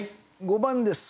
５番です。